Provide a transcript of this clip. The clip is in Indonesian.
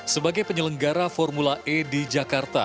sebagai penyelenggara formula e di jakarta